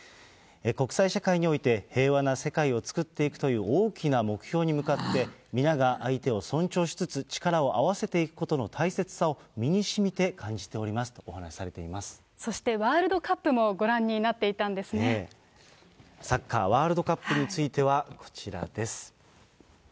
国際社会において平和な世界を作っていくという大きな目標に向かって、皆が相手を尊重しつつ、力を合わせていくことの大切さを身にしみて感じておりますとお話そしてワールドカップもご覧サッカーワールドカップについては、こちらです。